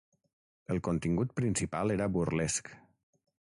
El contingut principal era burlesc.